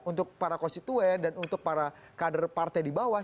untuk para konstituen dan untuk para kader partai di bawah